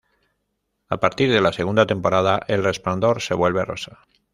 A partir de la segunda temporada, el resplandor se vuelve rosa.